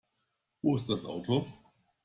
Wo ist das Auto?